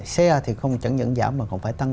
xe thì không chẳng những giảm mà cũng phải tăng